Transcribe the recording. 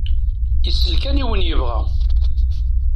Isell kan i wyen yebɣa.